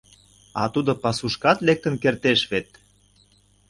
— А тудо пасушкат лектын кертеш вет?